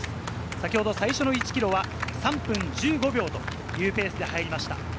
先ほど最初の１ｋｍは３分１５秒というペースで入りました。